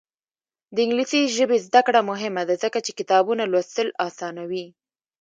د انګلیسي ژبې زده کړه مهمه ده ځکه چې کتابونه لوستل اسانوي.